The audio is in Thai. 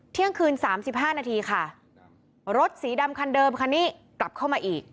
เที่ยงคืนสามสิบห้านาทีค่ะรถสีดำคันเดิมคันนี้กลับเข้ามาอีก